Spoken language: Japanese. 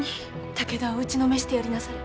武田を打ちのめしてやりなされ。